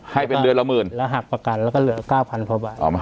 ให้เป็นเดือนละหมื่นแล้วหักประกันแล้วก็เหลือ๙๐๐กว่าบาท